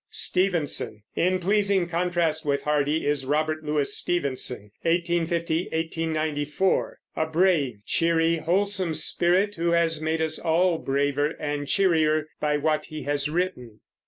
STEVENSON. In pleasing contrast with Hardy is Robert Louis Stevenson (1850 1894), a brave, cheery, wholesome spirit, who has made us all braver and cheerier by what he has written.